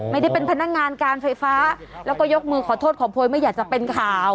ไม่ได้เป็นพนักงานการไฟฟ้าแล้วก็ยกมือขอโทษขอโพยไม่อยากจะเป็นข่าว